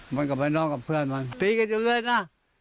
มันก็ไปนอกกับเพื่อนมันตีกันอยู่เลยนะ